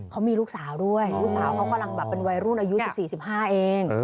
เขามีลูกสาวด้วยลูกสาวเขากำลังแบบเป็นวัยรุ่นอายุ๑๔๑๕เอง